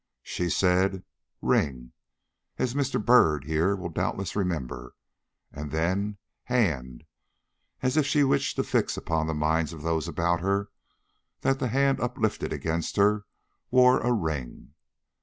She said, 'Ring,' as Mr. Byrd here will doubtless remember, and then 'Hand,' as if she wished to fix upon the minds of those about her that the hand uplifted against her wore a ring.